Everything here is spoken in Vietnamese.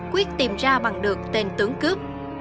quyết tìm ra bằng được tên tướng cướp